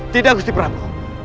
tidak gusti prabu